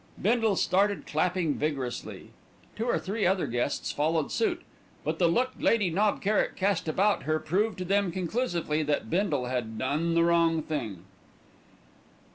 Bindle started clapping vigorously. Two or three other guests followed suit; but the look Lady Knob Kerrick cast about her proved to them conclusively that Bindle had done the wrong thing.